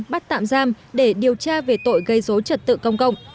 bắt tạm giam để điều tra về tội gây dối trật tự công cộng